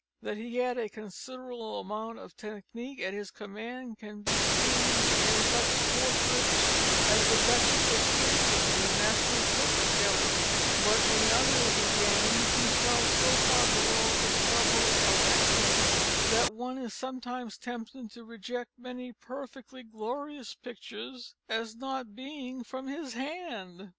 That he had a considerable amount of technique at his command can be seen in such portraits as the "Duchess of Cleveland" in the National Portrait Gallery, but in others again he fell so far below this level of excellence, that one is sometimes tempted to reject many perfectly glorious pictures as not being from his hand.